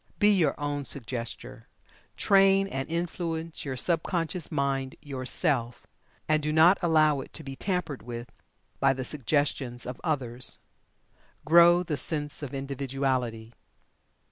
Be your own Suggestor train and influence your sub conscious mind Yourself, and do not allow it to be tampered with by the suggestions of others. Grow the sense of Individuality.